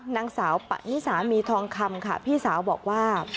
นางสาวปะนิสามีทองคำค่ะพี่สาวบอกว่า